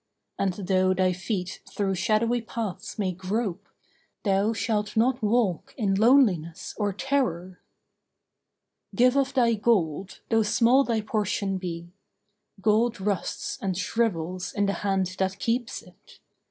And though thy feet through shadowy paths may grope, Thou shalt not walk in loneliness or terror. Give of thy gold, though small thy portion be. Gold rusts and shrivels in the hand that keeps it.